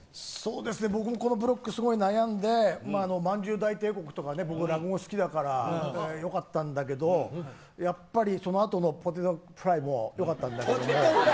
僕もこのブロックすごい悩んでまんじゅう大帝国とかよかったんだけどやっぱりその後のポテトフライもよかった。